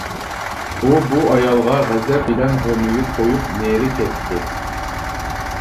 ئۇ بۇ ئايالغا غەزەپ بىلەن ھومىيىپ قويۇپ نېرى كەتتى.